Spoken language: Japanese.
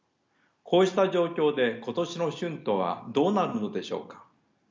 こうした状況で今年の春闘はどうなるのでしょうか。